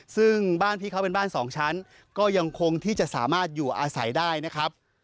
ซึ่งบ้านพี่เขาเป็นบ้านสองชั้นก็ยังคงที่จะสามารถอยู่อาศัยได้นะครับ